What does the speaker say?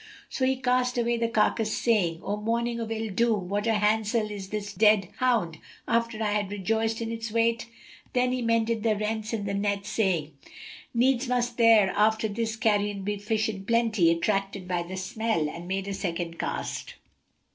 So he cast away the carcase, saying, "O morning of ill doom! What a handsel is this dead hound, after I had rejoiced in its weight[FN#266]!" Then he mended the rents in the net, saying, "Needs must there after this carrion be fish in plenty, attracted by the smell," and made a second cast.